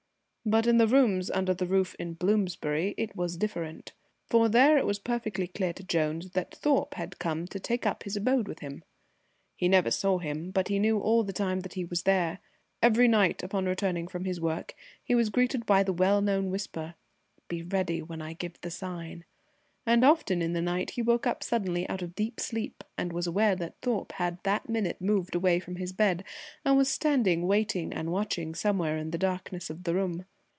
But in the rooms under the roof in Bloomsbury it was different, for there it was perfectly clear to Jones that Thorpe had come to take up his abode with him. He never saw him, but he knew all the time he was there. Every night on returning from his work he was greeted by the well known whisper, "Be ready when I give the sign!" and often in the night he woke up suddenly out of deep sleep and was aware that Thorpe had that minute moved away from his bed and was standing waiting and watching somewhere in the darkness of the room.